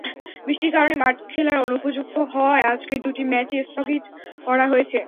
বৃষ্টির কারণে মাঠ খেলার অনুপযুক্ত হওয়ায় আজকের দুটি ম্যাচই স্থগিত করা হয়েছে।